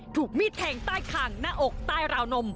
ถูกมีดแทงใต้คางหน้าอกใต้ราวนม